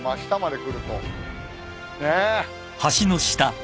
ねえ。